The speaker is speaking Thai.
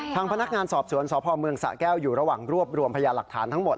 ทางพนักงานสอบสวนสพเมืองสะแก้วอยู่ระหว่างรวบรวมพยาหลักฐานทั้งหมด